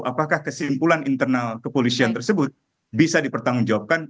apakah kesimpulan internal kepolisian tersebut bisa dipertanggungjawabkan